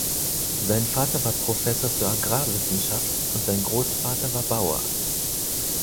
Sein Vater war Professor für Agrarwissenschaft und sein Großvater war Bauer.